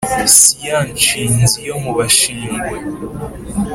si ya nshinzi yo mu bashingwe